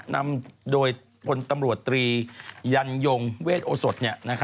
นำโดยพลตำรวจตรียันยงเวทโอสด